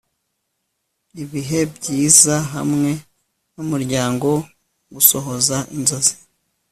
ibihe byiza hamwe numuryango, gusohoza inzozi